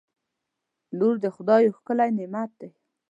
• لور د خدای یو ښکلی نعمت دی.